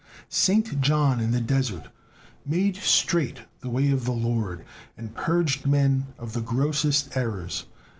Saint John in the desert "made straight the way of the Lord" and purged men of the grossest errors.